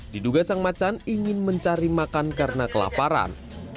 diduga sang macan ingin mencari makan karena kelaparan